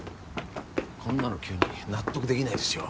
こんなの急に納得できないですよ。